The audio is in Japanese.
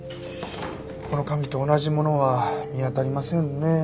この紙と同じものは見当たりませんねえ。